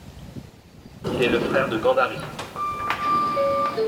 Il est le frère de Gandhari.